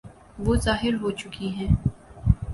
وہ ظاہر ہو چکی ہیں۔